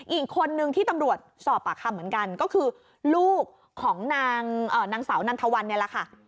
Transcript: อีกคนนึงที่ตำรวจสอบปากคำเหมือนกันก็คือลูกของนางสาวนันทวันเนี่ยแหละค่ะ